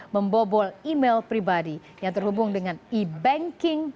membobol email pribadi yang terhubung dengan e banking